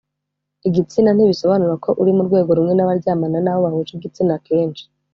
igitsina ntibisobanura ko uri mu rwego rumwe n abaryamana n abo bahuje igitsina akenshi